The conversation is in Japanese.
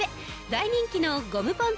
大人気のゴムポン